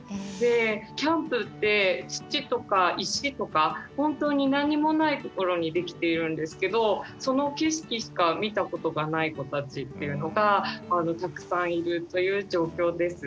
キャンプって土とか石とか本当に何もないところに出来ているんですけどその景色しか見たことがない子たちっていうのがたくさんいるという状況です。